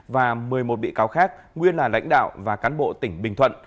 và một mươi một bị cáo khác nguyên là lãnh đạo và cán bộ tỉnh bình thuận